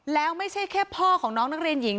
แล้วไม่ใช่แค่พ่อของน้องนักเรียนหญิง